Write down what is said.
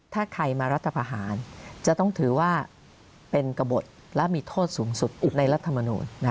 ถ้าใครมารัฐพาหารจะต้องถือว่าเป็นกระบดและมีโทษสูงสุดในรัฐมนูล